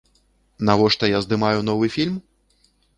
Навошта я здымаю новы фільм?